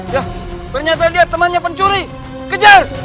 ya ternyata dia temannya pencuri kejar